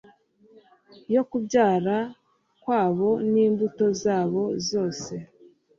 yo kubyara kwabo n'imbuto zabo zose